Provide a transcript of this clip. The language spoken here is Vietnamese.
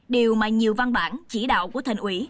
điều mà nhiều văn bản chỉ đạo của thành ủy